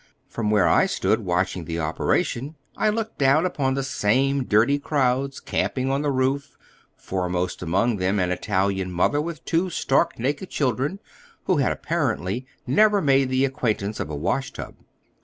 From where I stood watching the operation, I looked down upon the same dirty crowds eamping on the roof, foremost among them an Italian mother with two stark naked children who had apparently never made the acquaintance of a wash tub.